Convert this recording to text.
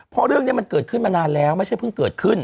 เพราะเรื่องนี้มันเกิดขึ้นมานานแล้วไม่ใช่เพิ่งเกิดขึ้น